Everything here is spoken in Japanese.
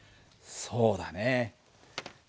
そうだね。